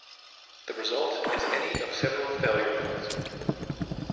The result is any of several failure modes.